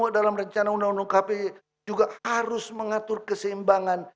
pemimpinan nasional yang termuat dalam rencana undang undang kpi juga harus mengatur keseimbangan